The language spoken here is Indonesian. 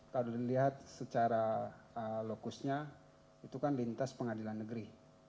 kalau dilihat secara lokusnya itu kan lintas pengadilan negeri